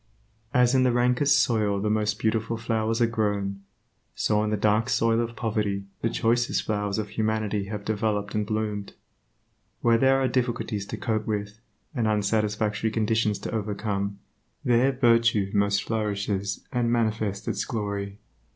As in the rankest soil the most beautiful flowers are grown, so in the dark soil of poverty the choicest flowers of humanity have developed and bloomed. Where there are difficulties to cope with, and unsatisfactory conditions to overcome, there virtue most flourishes and manifests its glory.